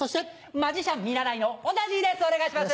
マジシャン見習いのおだじです！